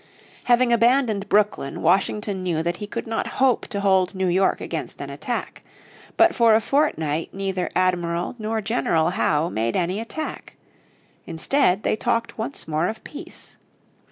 Having abandoned Brooklyn Washington knew that he could not hope to hold New York against an attack. But for a fortnight neither Admiral nor General Howe made any attack. Instead they talked once more of peace.